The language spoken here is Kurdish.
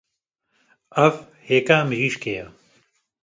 Ev hêka mirîşkê ye.